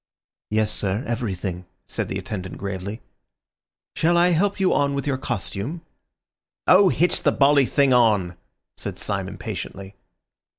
"Yes, sir, everything," said the attendant gravely. "Shall I help you on with your costume?" "Oh, hitch the bally thing on!" said Syme impatiently.